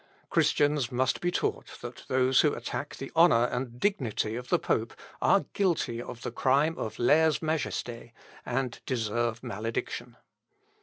"Christians must be taught that those who attack the honour and dignity of the pope are guilty of the crime of lese majesty, and deserve malediction.